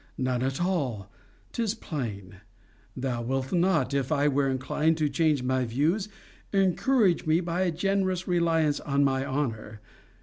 None at all, 'tis plain. Thou wilt not, if I were inclined to change my views, encourage me by a generous reliance on my honour!